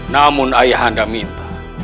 namun ayah anda minta